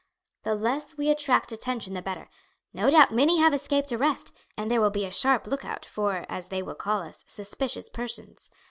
The less we attract attention the better. No doubt many have escaped arrest, and there will be a sharp look out, for, as they will call us, suspicious persons.